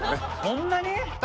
そんなに？